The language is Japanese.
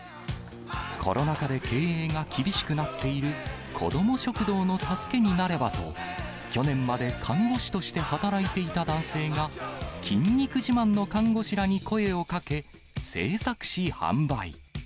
コロナ禍で経営が厳しくなっている子ども食堂の助けになればと、去年まで看護師として働いていた男性が、筋肉自慢の看護師らに声をかけ、制作し、販売。